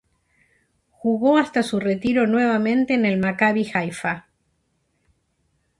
Jugó hasta su retiro nuevamente en el Maccabi Haifa.